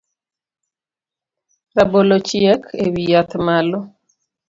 Rabolo ochiek ewiyath malo